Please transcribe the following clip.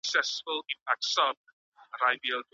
ايا اسلام د مرييانو سيستم له منځه يووړ؟